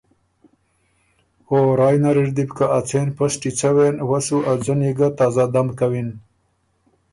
او رای نر اِر دی بو که اڅېن پسټی څوېن، وۀ سو ا ځنی ګه تازه دم کوِن